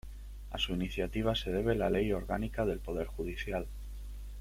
A su iniciativa se debe la Ley Orgánica del Poder Judicial.